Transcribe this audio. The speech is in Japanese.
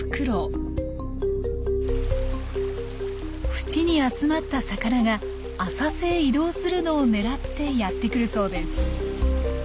淵に集まった魚が浅瀬へ移動するのを狙ってやって来るそうです。